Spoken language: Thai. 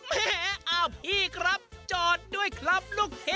แม่อ้าวพี่ครับจอดด้วยครับลูกเขย